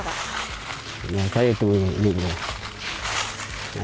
saya itu belum